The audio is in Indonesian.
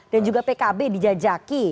dan juga pkb dijajaki